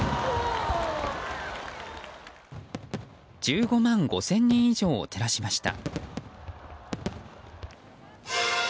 １５万５０００人以上を照らしました。